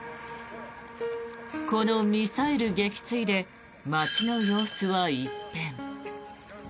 このミサイル撃墜で街の様子は一変。